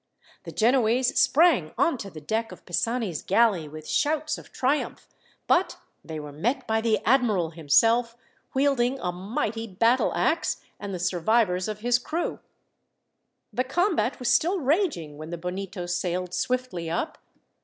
The Genoese sprang on to the deck of Pisani's galley, with shouts of triumph, but they were met by the admiral himself, wielding a mighty battleaxe, and the survivors of his crew. The combat was still raging when the Bonito sailed swiftly up.